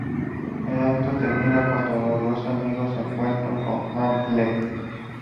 El acto termina cuando los dos amigos se encuentran con Hamlet.